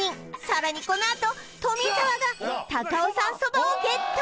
さらにこのあと富澤が高尾山そばをゲット